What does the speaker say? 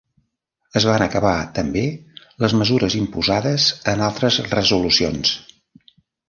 Es van acabar també les mesures imposades en altres resolucions.